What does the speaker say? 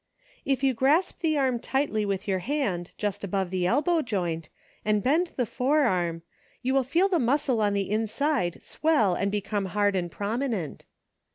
"' If you grasp the arm tightly with your hand, just above the elbow joint, and bend the forearm, you will feel the muscle on the inside swell and become hard and prominent.'